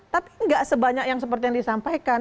tapi nggak sebanyak yang seperti yang disampaikan